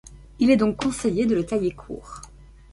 Il est donc conseillé de le tailler court.